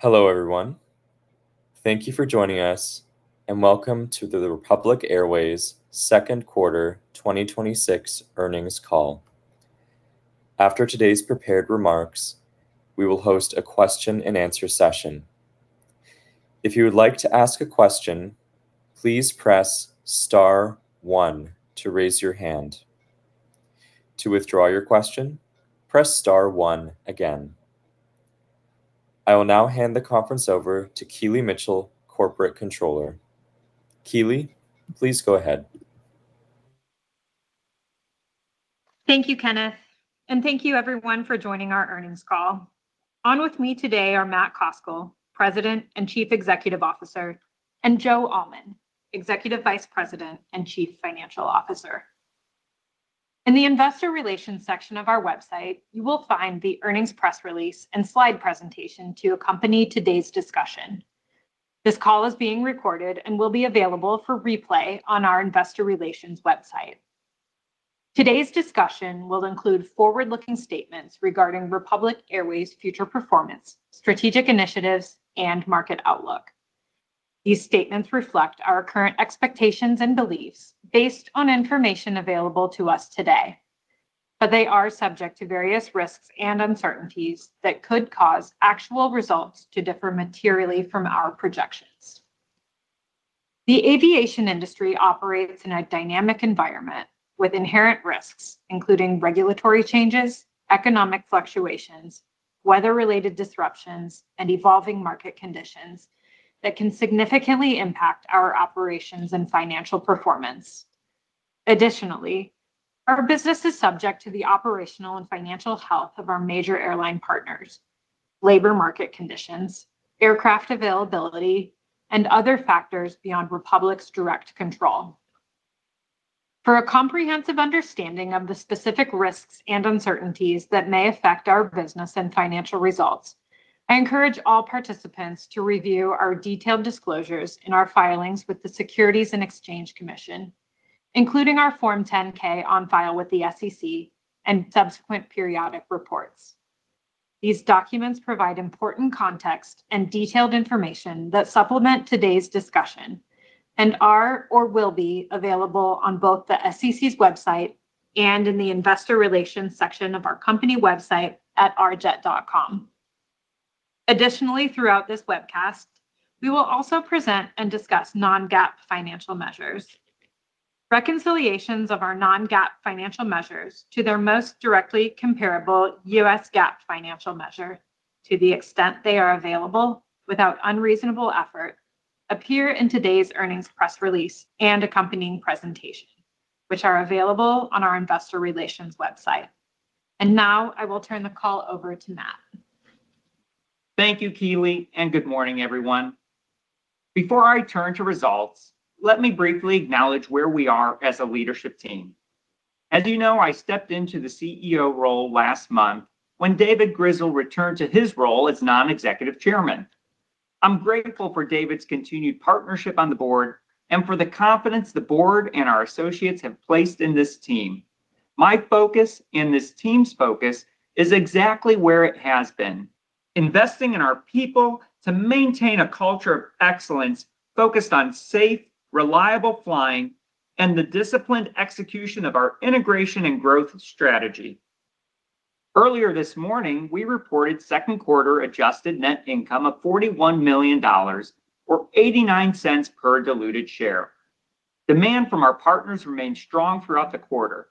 Hello, everyone. Thank you for joining us, and welcome to the Republic Airways second quarter 2026 earnings call. After today's prepared remarks, we will host a question-and-answer session. If you would like to ask a question, please press star one to raise your hand. To withdraw your question, press star one again. I will now hand the conference over to Keely Mitchell, Corporate Controller. Keely, please go ahead. Thank you, Kenneth, and thank you everyone for joining our earnings call. On with me today are Matt Koscal, President and Chief Executive Officer, and Joe Allman, Executive Vice President and Chief Financial Officer. In the investor relations section of our website, you will find the earnings press release and slide presentation to accompany today's discussion. This call is being recorded and will be available for replay on our investor relations website. Today's discussion will include forward-looking statements regarding Republic Airways future performance, strategic initiatives, and market outlook. These statements reflect our current expectations and beliefs based on information available to us today, they are subject to various risks and uncertainties that could cause actual results to differ materially from our projections. The aviation industry operates in a dynamic environment with inherent risks, including regulatory changes, economic fluctuations, weather-related disruptions, and evolving market conditions that can significantly impact our operations and financial performance. Additionally, our business is subject to the operational and financial health of our major airline partners, labor market conditions, aircraft availability, and other factors beyond Republic's direct control. For a comprehensive understanding of the specific risks and uncertainties that may affect our business and financial results, I encourage all participants to review our detailed disclosures in our filings with the Securities and Exchange Commission, including our Form 10-K on file with the SEC and subsequent periodic reports. These documents provide important context and detailed information that supplement today's discussion and are or will be available on both the SEC's website and in the investor relations section of our company website at rjet.com. Additionally, throughout this webcast, we will also present and discuss non-GAAP financial measures. Reconciliations of our non-GAAP financial measures to their most directly comparable US GAAP financial measure to the extent they are available without unreasonable effort appear in today's earnings press release and accompanying presentation, which are available on our investor relations website. Now I will turn the call over to Matt. Thank you, Keely, and good morning, everyone. Before I turn to results, let me briefly acknowledge where we are as a leadership team. As you know, I stepped into the CEO role last month when David Grizzle returned to his role as non-executive chairman. I'm grateful for David's continued partnership on the board and for the confidence the board and our associates have placed in this team. My focus and this team's focus is exactly where it has been, investing in our people to maintain a culture of excellence focused on safe, reliable flying and the disciplined execution of our integration and growth strategy. Earlier this morning, we reported second quarter adjusted net income of $41 million, or $0.89 per diluted share. Demand from our partners remained strong throughout the quarter.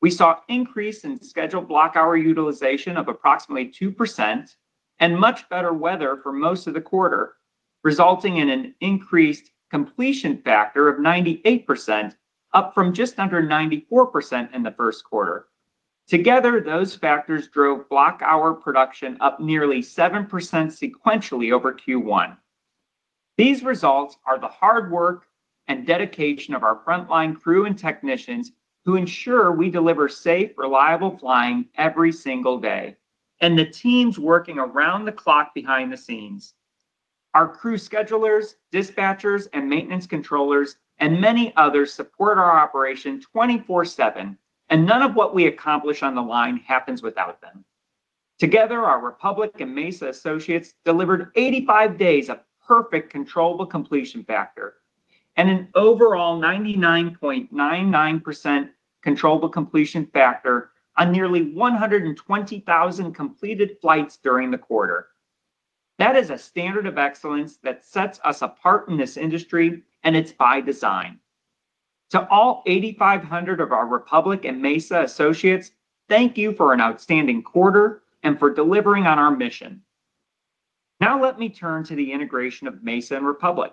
We saw increase in scheduled block hour utilization of approximately 2% and much better weather for most of the quarter, resulting in an increased completion factor of 98%, up from just under 94% in the first quarter. Together, those factors drove block hour production up nearly 7% sequentially over Q1. These results are the hard work and dedication of our frontline crew and technicians who ensure we deliver safe, reliable flying every single day. The teams working around the clock behind the scenes. Our crew schedulers, dispatchers, and maintenance controllers and many others support our operation 24/7. None of what we accomplish on the line happens without them. Together, our Republic and Mesa associates delivered 85 days of perfect controllable completion factor and an overall 99.99% controllable completion factor on nearly 120,000 completed flights during the quarter. That is a standard of excellence that sets us apart in this industry. It's by design. To all 8,500 of our Republic and Mesa associates, thank you for an outstanding quarter and for delivering on our mission. Let me turn to the integration of Mesa and Republic.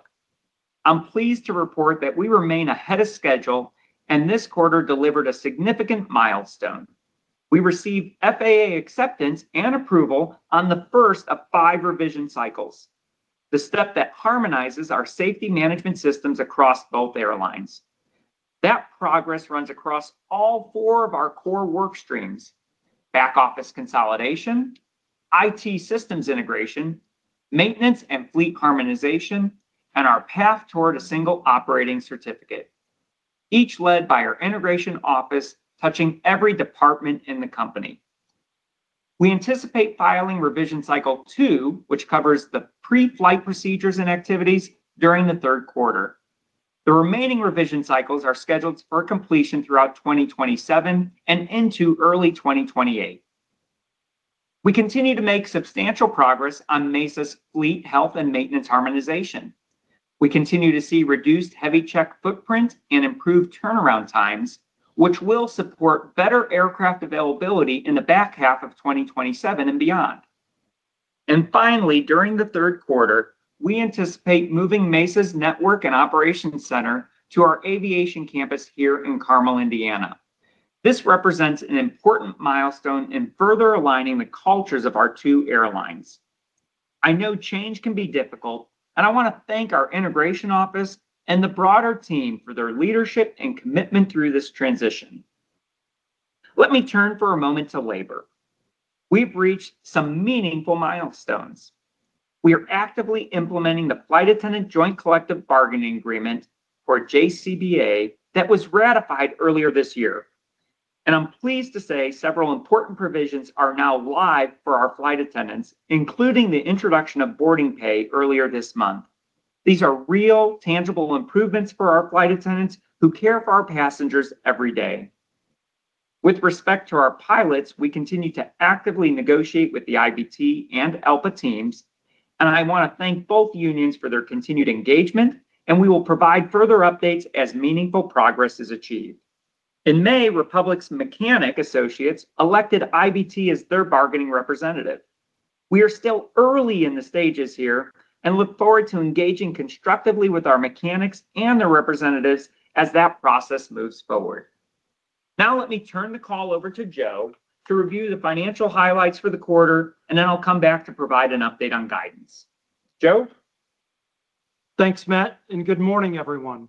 I'm pleased to report that we remain ahead of schedule and this quarter delivered a significant milestone. We received FAA acceptance and approval on the first of five revision cycles, the step that harmonizes our safety management systems across both airlines. That progress runs across all four of our core work streams, back-office consolidation, IT systems integration, maintenance and fleet harmonization, and our path toward a single operating certificate. Each led by our integration office, touching every department in the company. We anticipate filing revision cycle 2, which covers the pre-flight procedures and activities, during the third quarter. The remaining revision cycles are scheduled for completion throughout 2027 and into early 2028. We continue to make substantial progress on Mesa's fleet health and maintenance harmonization. We continue to see reduced heavy check footprint and improved turnaround times, which will support better aircraft availability in the back half of 2027 and beyond. Finally, during the third quarter, we anticipate moving Mesa's network and operations center to our aviation campus here in Carmel, Indiana. This represents an important milestone in further aligning the cultures of our two airlines. I know change can be difficult. I want to thank our integration office and the broader team for their leadership and commitment through this transition. Let me turn for a moment to labor. We've reached some meaningful milestones. We are actively implementing the Flight Attendant Joint Collective Bargaining Agreement, or JCBA, that was ratified earlier this year. I'm pleased to say several important provisions are now live for our flight attendants, including the introduction of boarding pay earlier this month. These are real, tangible improvements for our flight attendants, who care for our passengers every day. With respect to our pilots, we continue to actively negotiate with the IBT and ALPA teams. I want to thank both unions for their continued engagement, and we will provide further updates as meaningful progress is achieved. In May, Republic's mechanic associates elected IBT as their bargaining representative. We are still early in the stages here and look forward to engaging constructively with our mechanics and their representatives as that process moves forward. Let me turn the call over to Joe to review the financial highlights for the quarter, and then I'll come back to provide an update on guidance. Joe? Thanks, Matt, and good morning, everyone.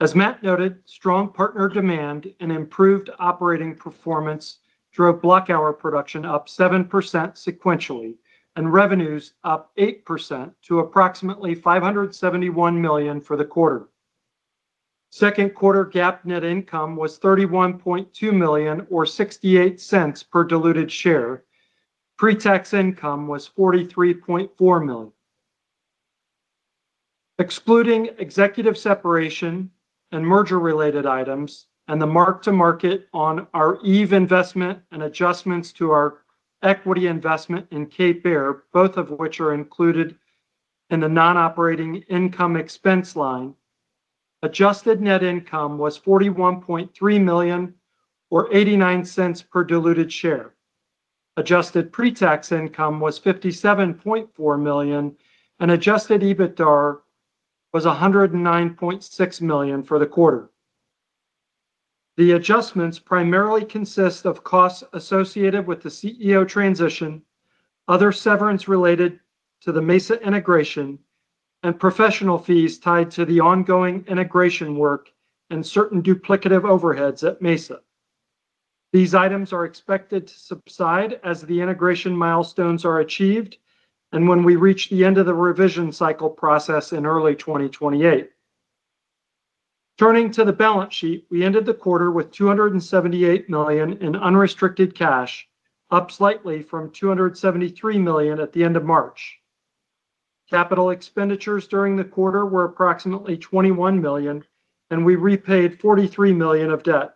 As Matt noted, strong partner demand and improved operating performance drove block hour production up 7% sequentially and revenues up 8% to approximately $571 million for the quarter. Second quarter GAAP net income was $31.2 million or $0.68 per diluted share. Pre-tax income was $43.4 million. Excluding executive separation and merger-related items and the mark to market on our Eve investment and adjustments to our equity investment in Cape Air, both of which are included in the non-operating income expense line, adjusted net income was $41.3 million or $0.89 per diluted share. Adjusted pre-tax income was $57.4 million, and adjusted EBITDA was $109.6 million for the quarter. The adjustments primarily consist of costs associated with the CEO transition, other severance related to the Mesa integration, and professional fees tied to the ongoing integration work and certain duplicative overheads at Mesa. These items are expected to subside as the integration milestones are achieved and when we reach the end of the revision cycle process in early 2028. Turning to the balance sheet, we ended the quarter with $278 million in unrestricted cash, up slightly from $273 million at the end of March. Capital expenditures during the quarter were approximately $21 million, and we repaid $43 million of debt.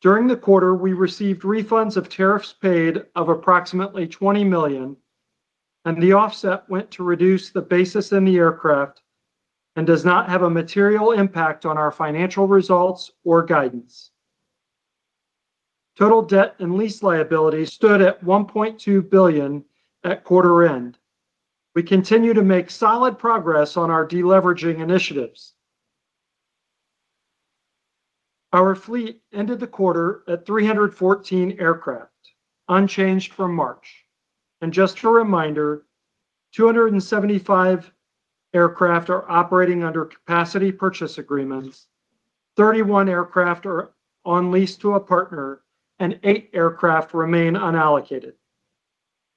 During the quarter, we received refunds of tariffs paid of approximately $20 million, and the offset went to reduce the basis in the aircraft and does not have a material impact on our financial results or guidance. Total debt and lease liabilities stood at $1.2 billion at quarter end. We continue to make solid progress on our de-leveraging initiatives. Our fleet ended the quarter at 314 aircraft, unchanged from March. Just a reminder, 275 aircraft are operating under capacity purchase agreements, 31 aircraft are on lease to a partner, and eight aircraft remain unallocated.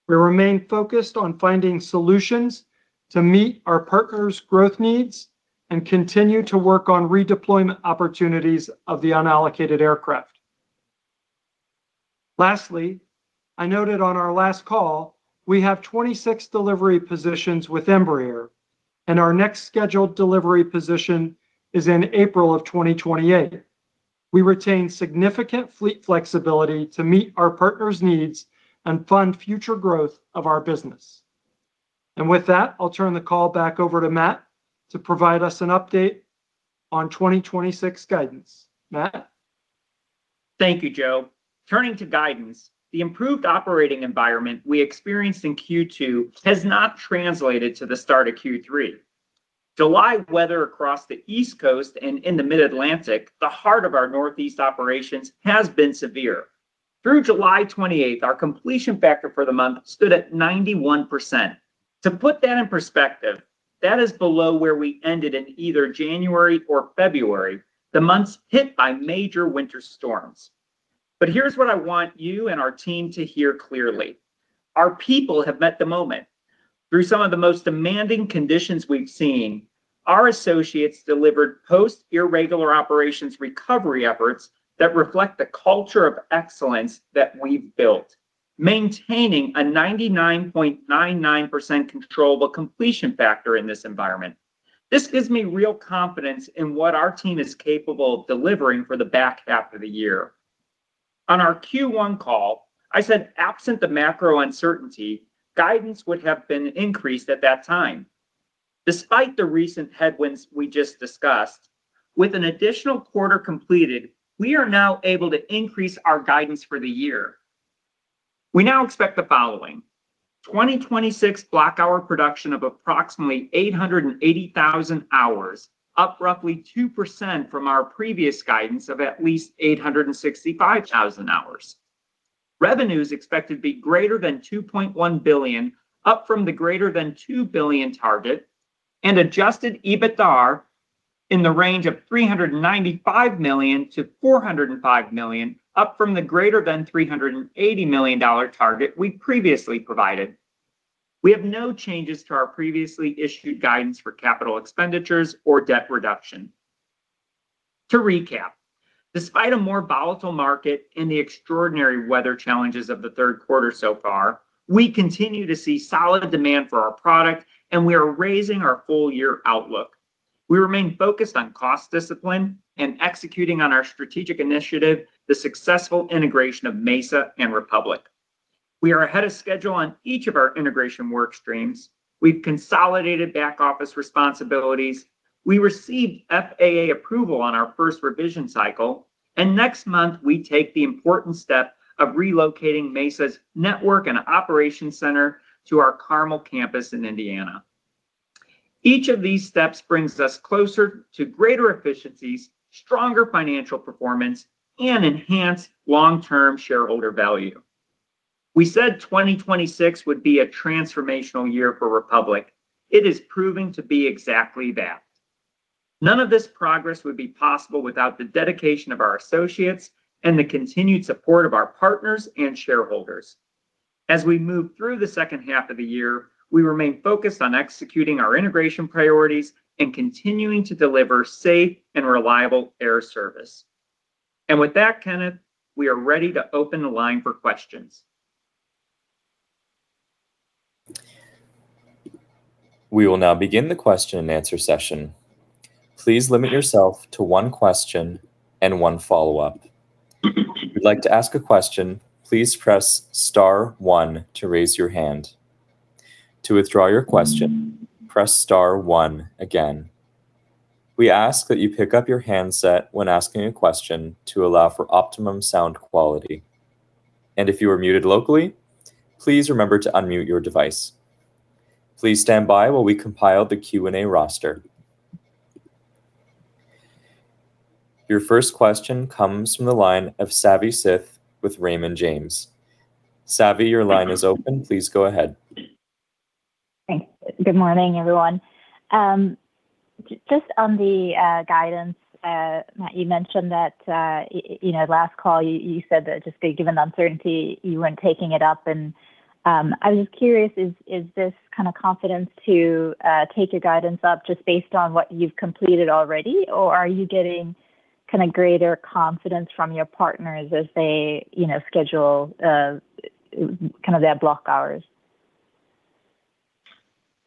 We remain focused on finding solutions to meet our partners' growth needs and continue to work on redeployment opportunities of the unallocated aircraft. Lastly, I noted on our last call, we have 26 delivery positions with Embraer, and our next scheduled delivery position is in April of 2028. We retain significant fleet flexibility to meet our partners' needs and fund future growth of our business. With that, I'll turn the call back over to Matt to provide us an update on 2026 guidance. Matt? Thank you, Joe. Turning to guidance, the improved operating environment we experienced in Q2 has not translated to the start of Q3. July weather across the East Coast and in the Mid-Atlantic, the heart of our Northeast operations, has been severe. Through July 28th, our completion factor for the month stood at 91%. To put that in perspective, that is below where we ended in either January or February, the months hit by major winter storms. Here's what I want you and our team to hear clearly. Our people have met the moment. Through some of the most demanding conditions we've seen, our associates delivered post-irregular operations recovery efforts that reflect the culture of excellence that we've built, maintaining a 99.99% controllable completion factor in this environment. This gives me real confidence in what our team is capable of delivering for the back half of the year. On our Q1 call, I said absent the macro uncertainty, guidance would have been increased at that time. Despite the recent headwinds we just discussed, with an additional quarter completed, we are now able to increase our guidance for the year. We now expect the following. 2026 block hour production of approximately 880,000 hours, up roughly 2% from our previous guidance of at least 865,000 hours. Revenue is expected to be greater than $2.1 billion, up from the greater than $2 billion target, and adjusted EBITDAR in the range of $395 million-$405 million, up from the greater than $380 million target we previously provided. We have no changes to our previously issued guidance for capital expenditures or debt reduction. To recap, despite a more volatile market and the extraordinary weather challenges of the third quarter so far, we continue to see solid demand for our product. We are raising our full year outlook. We remain focused on cost discipline and executing on our strategic initiative, the successful integration of Mesa and Republic. We are ahead of schedule on each of our integration work streams. We've consolidated back office responsibilities. We received FAA approval on our first revision cycle. Next month we take the important step of relocating Mesa's network and operations center to our Carmel campus in Indiana. Each of these steps brings us closer to greater efficiencies, stronger financial performance, and enhanced long-term shareholder value. We said 2026 would be a transformational year for Republic. It is proving to be exactly that. None of this progress would be possible without the dedication of our associates and the continued support of our partners and shareholders. As we move through the second half of the year, we remain focused on executing our integration priorities and continuing to deliver safe and reliable air service. With that, Kenneth, we are ready to open the line for questions. We will now begin the question-and-answer session. Please limit yourself to one question and one follow-up. If you'd like to ask a question, please press star one to raise your hand. To withdraw your question, press star one again. We ask that you pick up your handset when asking a question to allow for optimum sound quality, and if you are muted locally, please remember to unmute your device. Please stand by while we compile the Q&A roster. Your first question comes from the line of Savi Syth with Raymond James. Savi, your line is open. Please go ahead. Thanks. Good morning, everyone. Just on the guidance, Matt, last call you said that just given the uncertainty, you weren't taking it up, and I was just curious, is this confidence to take your guidance up just based on what you've completed already, or are you getting greater confidence from your partners as they schedule their block hours?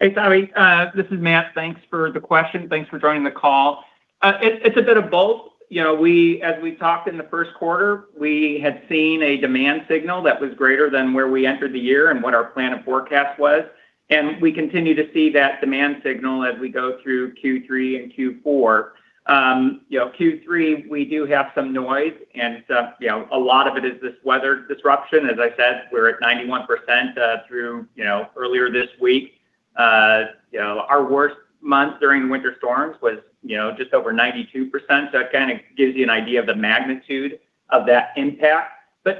Hey, Savi. This is Matt. Thanks for the question. Thanks for joining the call. It's a bit of both. As we talked in the first quarter, we had seen a demand signal that was greater than where we entered the year and what our plan of forecast was, we continue to see that demand signal as we go through Q3 and Q4. Q3, we do have some noise and a lot of it is this weather disruption. As I said, we're at 91% through earlier this week. Our worst month during winter storms was just over 92%, so that gives you an idea of the magnitude of that impact.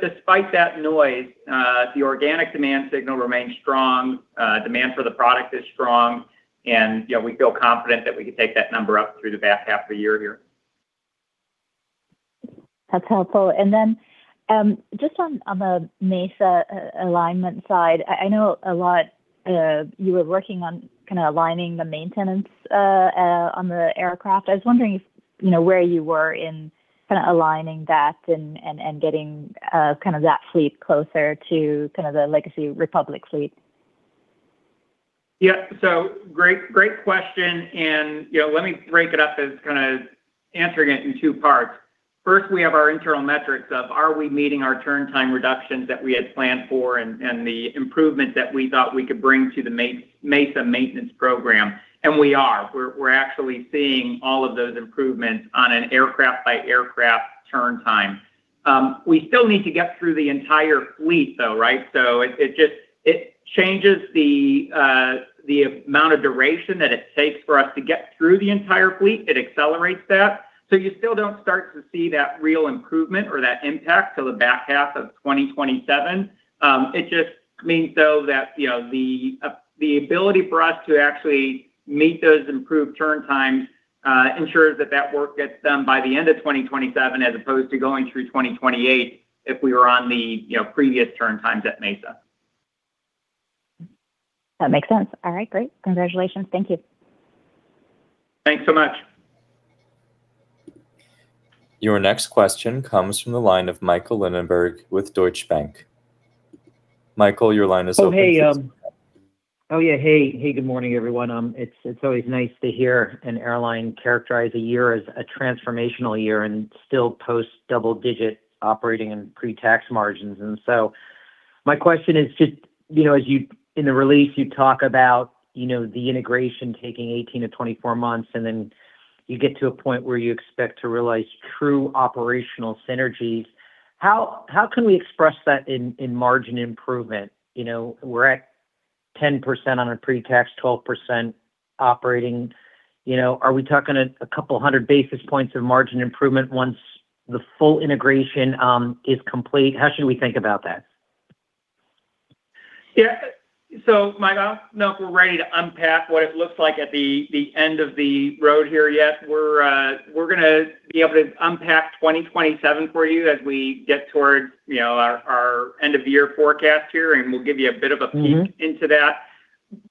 Despite that noise, the organic demand signal remains strong. Demand for the product is strong, we feel confident that we can take that number up through the back half of the year here. That's helpful. Just on the Mesa alignment side, I know you were working on aligning the maintenance on the aircraft. I was wondering where you were in aligning that and getting that fleet closer to the legacy Republic fleet. Yeah. Great question, and let me break it up as answering it in two parts. First, we have our internal metrics of are we meeting our turn time reductions that we had planned for and the improvement that we thought we could bring to the Mesa maintenance program? And we are. We're actually seeing all of those improvements on an aircraft-by-aircraft turn time. We still need to get through the entire fleet, though, right? It changes the amount of duration that it takes for us to get through the entire fleet. It accelerates that. You still don't start to see that real improvement or that impact till the back half of 2027. It just means, though, that the ability for us to actually meet those improved turn times ensures that that work gets done by the end of 2027 as opposed to going through 2028, if we were on the previous turn times at Mesa. That makes sense. All right, great. Congratulations. Thank you. Thanks so much. Your next question comes from the line of Michael Linenberg with Deutsche Bank. Michael, your line is open. Oh, yeah. Hey. Good morning, everyone. It's always nice to hear an airline characterize a year as a transformational year and still post double-digit operating and pre-tax margins. My question is just, in the release you talk about the integration taking 18-24 months, and then you get to a point where you expect to realize true operational synergies. How can we express that in margin improvement? We're at 10% on a pre-tax, 12% operating. Are we talking a couple hundred basis points of margin improvement once the full integration is complete? How should we think about that? Yeah. Michael, I don't know if we're ready to unpack what it looks like at the end of the road here yet. We're going to be able to unpack 2027 for you as we get towards our end of year forecast here, and we'll give you a bit of a peek- into that.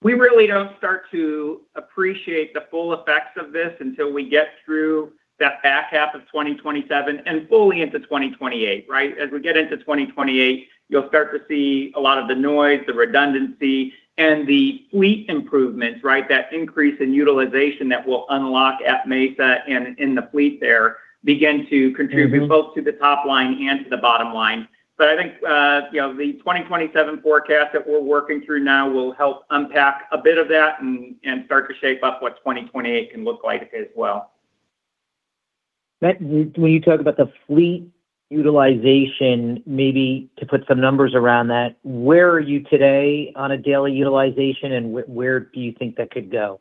We really don't start to appreciate the full effects of this until we get through that back half of 2027 and fully into 2028, right? As we get into 2028, you'll start to see a lot of the noise, the redundancy, and the fleet improvements, right? That increase in utilization that will unlock at Mesa and in the fleet there, begin to contribute- both to the top line and to the bottom line. I think the 2027 forecast that we're working through now will help unpack a bit of that and start to shape up what 2028 can look like as well. Matt, when you talk about the fleet utilization, maybe to put some numbers around that, where are you today on a daily utilization, and where do you think that could go?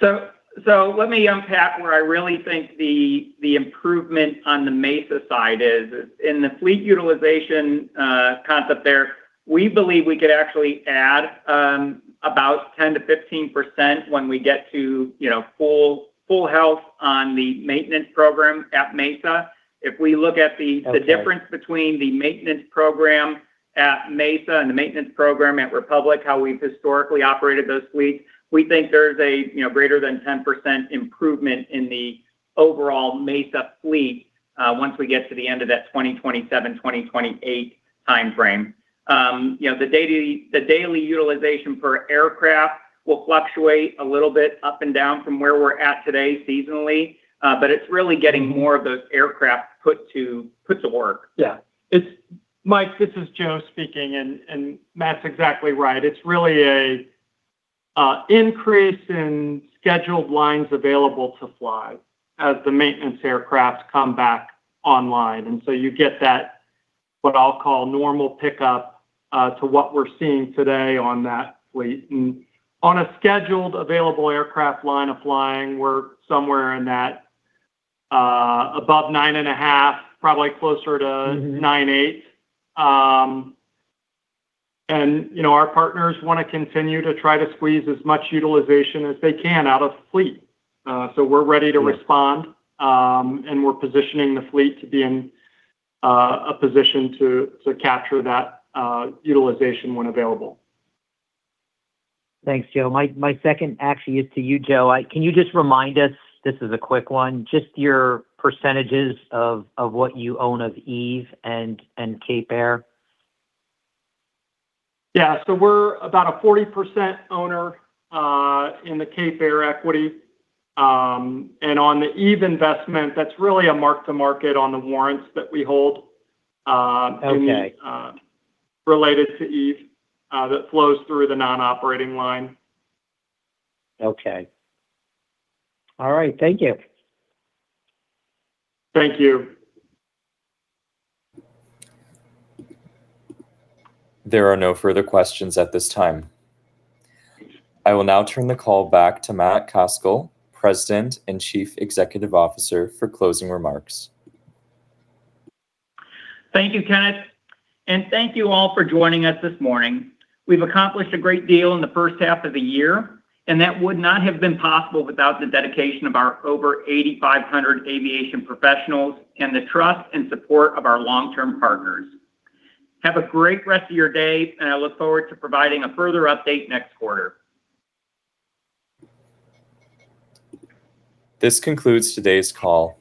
Let me unpack where I really think the improvement on the Mesa side is. In the fleet utilization concept there, we believe we could actually add about 10%-15% when we get to full health on the maintenance program at Mesa. The difference between the maintenance program at Mesa and the maintenance program at Republic, how we've historically operated those fleets, we think there's a greater than 10% improvement in the overall Mesa fleet, once we get to the end of that 2027, 2028 timeframe. The daily utilization for aircraft will fluctuate a little bit up and down from where we're at today seasonally, but it's really getting more of those aircraft put to work. Yeah. Michael, this is Joe speaking. Matt's exactly right. It's really a increase in scheduled lines available to fly as the maintenance aircrafts come back online. You get that, what I'll call, normal pickup, to what we're seeing today on that fleet. On a scheduled available aircraft line of flying, we're somewhere in that above 9.5, probably closer to- 9.8. Our partners want to continue to try to squeeze as much utilization as they can out of fleet. We're ready to respond- We're positioning the fleet to be in a position to capture that utilization when available. Thanks, Joe. My second actually is to you, Joe. Can you just remind us, this is a quick one, just your percentages of what you own of Eve and Cape Air? Yeah. We're about a 40% owner in the Cape Air equity. On the Eve investment, that's really a mark to market on the warrants that we hold- Okay. related to Eve, that flows through the non-operating line. Okay. All right. Thank you. Thank you. There are no further questions at this time. I will now turn the call back to Matt Koscal, President and Chief Executive Officer, for closing remarks. Thank you, Kenneth. Thank you all for joining us this morning. We've accomplished a great deal in the first half of the year, that would not have been possible without the dedication of our over 8,500 aviation professionals and the trust and support of our long-term partners. Have a great rest of your day, I look forward to providing a further update next quarter. This concludes today's call.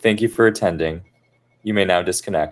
Thank you for attending. You may now disconnect.